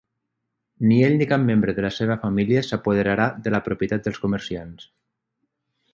Ni ell ni cap membre de la seva família s'apoderarà de la propietat dels comerciants.